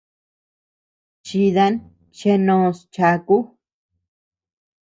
Chidan cheanós chaku.